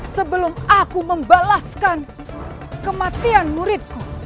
sebelum aku membalaskan kematian muridku